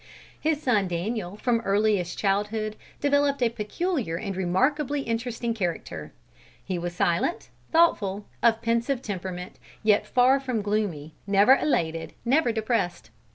His son Daniel, from earliest childhood, developed a peculiar and remarkably interesting character. He was silent, thoughtful, of pensive temperament, yet far from gloomy, never elated, never depressed.